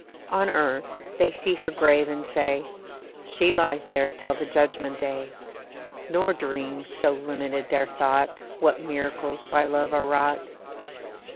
On earth they see her grave and say: "She lies there till the judgment day;" Nor dream, so limited their thought, What miracles by love are wrought.